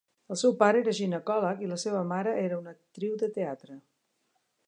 El seu pare era ginecòleg i la seva mare era una actriu de teatre.